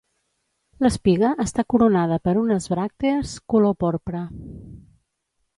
L'espiga està coronada per unes bràctees color porpra.